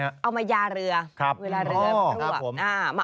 เอามายาเรือเวลาเรือพวก